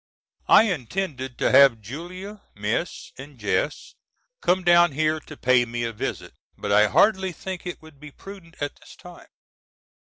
I intended to have Julia, Miss and Jess come down here to pay me a visit but I hardly think it would be prudent at this time.